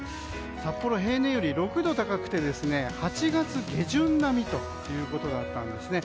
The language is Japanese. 札幌、平年より６度高くて８月下旬並みということだったんですね。